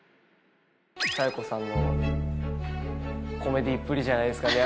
佐弥子さんのコメディっぷりじゃないですかね